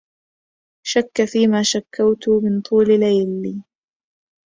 شك فيما شكوت من طول ليلي